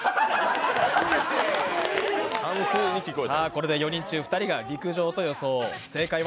これで４人中２人が陸上と予想。